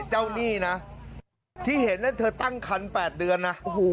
เจ้าหนี้นะที่เห็นนั่นเธอตั้งคัน๘เดือนนะ